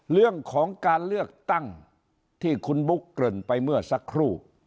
เรื่องของการเลือกตั้งที่คุณบุ๊คเกริ่นไปเมื่อสักครู่